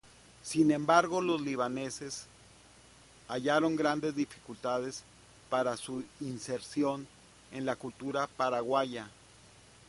Sin embargo, los libaneses hallaron grandes dificultades para su inserción en la cultura paraguaya.